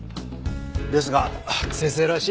ですが先生らしいですね。